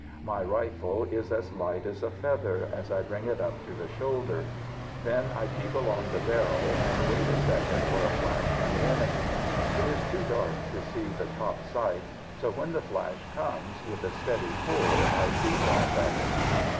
My rifle is as light as a feather as I bring it up to the shoulder. Then I peep along the barrel, and wait a second for a flash from the enemy. It is too dark to see the top sight, so when the flash comes, with a steady pull I loose off at it.